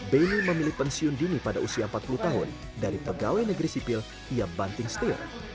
beni memilih pensiun dini pada usia empat puluh tahun dari pegawai negeri sipil yang banting setir